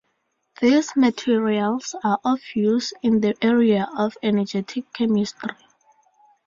These materials are of use in the area of energetic chemistry.